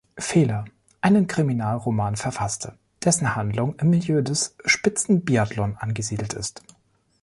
Fehler" einen Kriminalroman verfasste, dessen Handlung im Milieu des Spitzen-Biathlons angesiedelt ist.